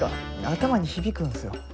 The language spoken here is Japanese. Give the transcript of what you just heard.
頭に響くんすよ。